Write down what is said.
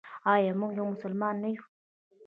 آیا موږ یو مسلمان نه یو؟